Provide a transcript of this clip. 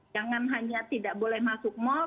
jangan hanya tidak boleh masuk mall